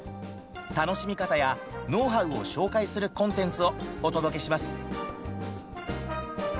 楽しみ方やノウハウを紹介するコンテンツをお届けします。